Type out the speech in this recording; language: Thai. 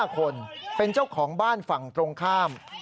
๕คนเป็นเจ้าของบ้านฝั่งตรงข้าม